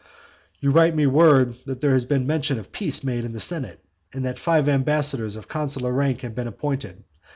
"You write me word that there has been mention of peace made in the senate, and that five ambassadors of consular rank have been appointed.